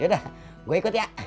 yaudah gue ikut ya